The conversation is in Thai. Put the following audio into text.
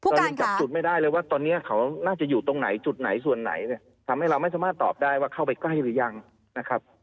เรายังจับจุดไม่ได้เลยว่าตอนนี้เขาน่าจะอยู่ตรงไหนจุดไหนส่วนไหนเนี่ยทำให้เราไม่สามารถตอบได้ว่าเข้าไปใกล้หรือยังนะครับ